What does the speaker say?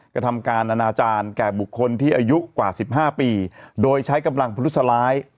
กระทำการอนาจารย์แก่บุคคลที่อายุกว่า๑๕ปีโดยใช้กำลังพลุสร้าย